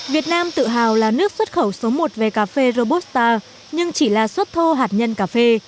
việt nam tự hào là nước xuất khẩu số một về cà phê robusta nhưng chỉ là xuất thô hạt nhân cà phê